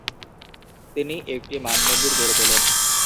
তিনি একটি মানমন্দির গড়ে তোলেন।